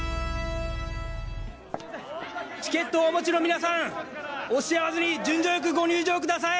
チケットお持ちの皆さん押し合わずに順序よくご入場ください！